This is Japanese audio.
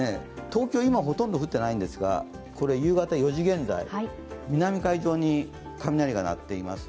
東京は今ほとんど降ってないんですが夕方４時現在、南海上に雷が鳴っています。